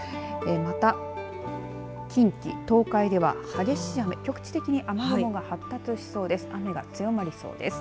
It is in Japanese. また、近畿、東海では激しい雨局地的に雨雲が発達しそうです。